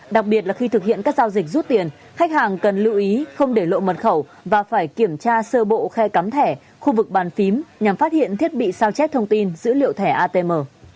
đặc biệt là khi thực hiện các giao dịch rút tiền khách hàng cần lưu ý không để lộ mật khẩu và phải kiểm tra sơ bộ khe cắm thẻ khu vực bàn phím nhằm phát hiện thiết bị sao chép thông tin dữ liệu thẻ atm